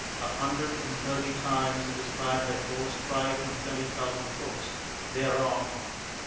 A hundred and thirty times he described that hoarse cry from twenty thousand throats, "They're off!"